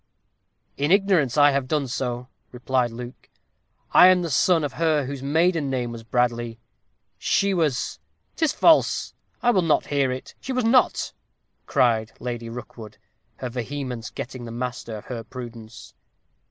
"In ignorance I have done so," replied Luke. "I am the son of her whose maiden name was Bradley. She was " "'Tis false I will not hear it she was not," cried Lady Rookwood, her vehemence getting the master of her prudence.